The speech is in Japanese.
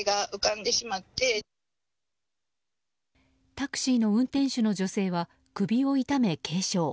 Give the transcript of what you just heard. タクシーの運転手の女性は首を痛め軽傷。